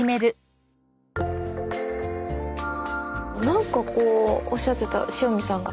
何かこうおっしゃってた塩見さんが。